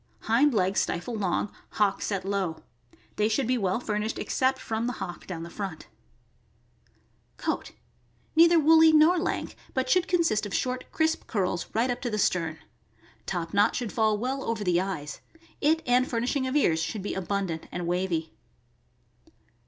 Hind legs stifle long; hock set low. They should be well fur nished except from the hock down the front. THE IEISH WATER SPANIEL. 299 Goat. — Neither woolly nor lank, but should consist of short, crisp curls right up to the stern. Top knot should fall well over the eyes. It and furnishing of ears should be abundant and wavy.